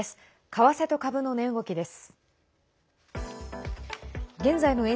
為替と株の値動きです。